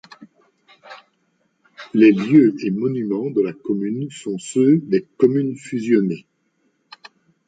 Les lieux et monuments de la commune sont ceux des communes fusionnées.